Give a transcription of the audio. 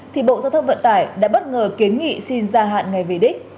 thì bộ giao thông vận tải đã bất ngờ kiến nghị xin gia hạn ngày về đích